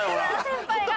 先輩が。